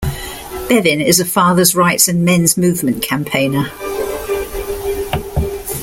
Bevin is a fathers' rights and Men's movement campaigner.